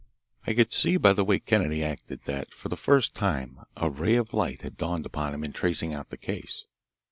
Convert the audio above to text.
I could see by the way Kennedy acted that for the first time a ray of light had dawned upon him in tracing out the case.